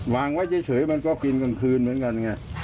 วางไว้เฉยมันก็กินกลางคืนเหมือนกันไง